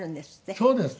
そうです。